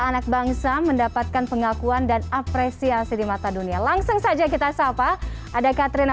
anak bangsa mendapatkan pengakuan dan apresiasi di mata dunia langsung saja kita sapa ada katrina